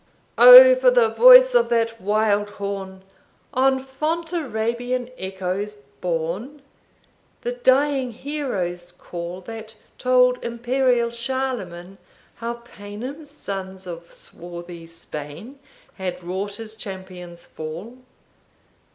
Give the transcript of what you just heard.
"O for the voice of that wild horn, On Fontarabian echoes borne, The dying hero's call, That told imperial Charlemagne, How Paynim sons of swarthy Spain Had wrought his champion's fall.